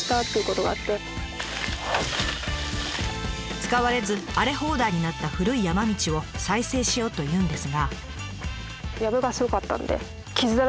使われず荒れ放題になった古い山道を再生しようというんですが。